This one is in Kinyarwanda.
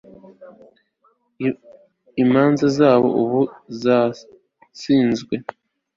imanza zabo ubu zashinzwe